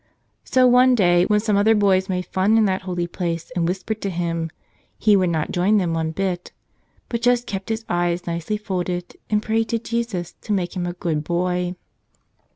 So one day when some other boys made fun in that holy place and whispered to him, he would not join them one bit, but just kept his hands nicely folded and prayed to Jesus to make him a good boy.